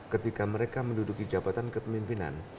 ketika mereka menduduki jabatan kepemimpinan